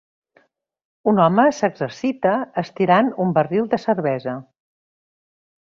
Un home s'exercita estirant un barril de cervesa.